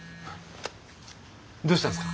どうしたんですか？